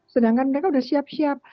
sedangkan mereka sudah siap siap